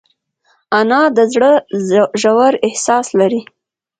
انا د زړه ژور احساس لري